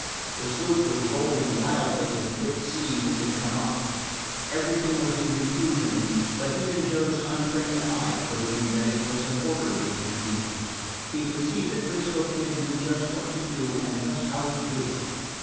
The sloop was rolling wildly in the quick sea which had come up. Everything was in confusion; but even Joe's untrained eye showed him that it was an orderly confusion. He could see that 'Frisco Kid knew just what to do and just how to do it.